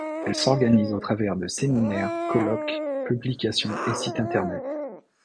Elle s'organise au travers de séminaires, colloques, publications et site internet.